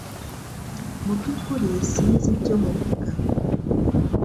Mu byukuri sinzi ibyo muvuga